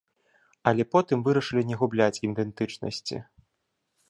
Але потым вырашылі не губляць ідэнтычнасці.